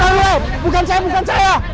tunggu ya allah bukan saya bukan saya